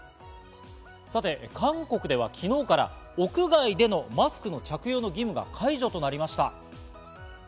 さて、韓国では昨日から屋外でのマスク着用の義務が解除となりました。